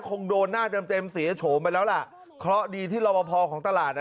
คงโดนหน้าเต็มเต็มเสียโฉมไปแล้วล่ะเพราะดีที่รอบพอของตลาดอ่ะ